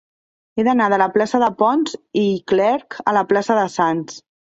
He d'anar de la plaça de Pons i Clerch a la plaça de Sants.